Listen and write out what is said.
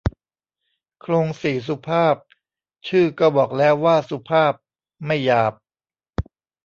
โคลงสี่สุภาพ ชื่อก็บอกแล้วว่าสุภาพ ไม่หยาบ